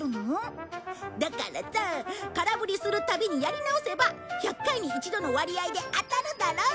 だからさ空ぶりするたびにやり直せば１００回に１度の割合で当たるだろ。